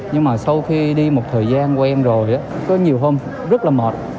nhưng mà sau khi đi một thời gian quen rồi có nhiều hôm rất là mệt